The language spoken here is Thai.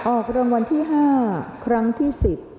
ออกรางวัลที่๕ครั้งที่๑๐